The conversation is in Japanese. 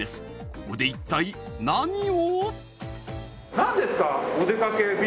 ここで一体何を？